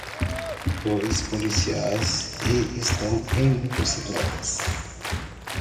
Dois policiais e estão em motocicletas.